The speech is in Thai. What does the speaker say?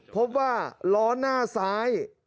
พบว่าล้อหน้าซ้าย